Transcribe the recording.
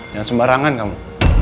jangan sembarangan kamu